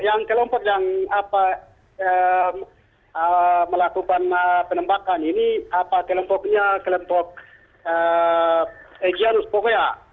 yang kelompok yang melakukan penembakan ini kelompoknya kelompok egyanus powea